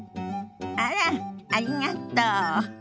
あらっありがとう。